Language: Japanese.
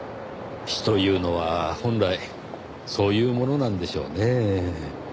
詩というのは本来そういうものなんでしょうねぇ。